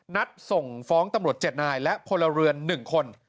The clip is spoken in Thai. นัดส่งฟ้องตำรวจ๗นายและพลเรือน๑คน